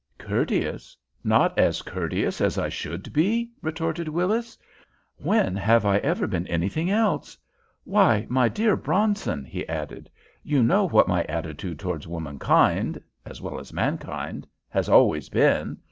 "Courteous? Not as courteous as I should be?" retorted Willis. "When have I ever been anything else? Why, my dear Bronson," he added, "you know what my attitude towards womankind as well as mankind has always been.